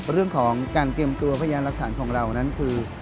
เรื่องของการเตรียมตัวพยานรักฐานของเรานั้นคือ